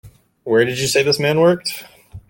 Where did you say this man worked?